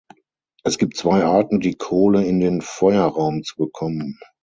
Es gibt zwei Arten, die Kohle in den Feuerraum zu bekommen.